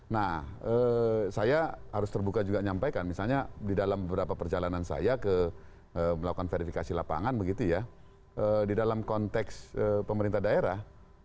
nah saya harus terbuka juga nyampaikan misalnya di dalam beberapa perjalanan saya melakukan verifikasi lapangan begitu ya di dalam konteks pemerintah daerah